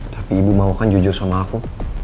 tapi ibu mau kan jujur sama aku